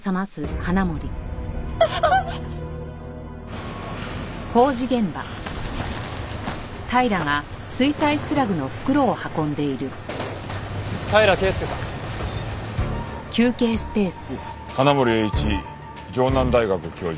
花森栄一城南大学教授。